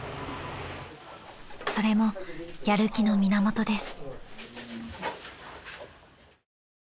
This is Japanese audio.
［それもやる気の源です］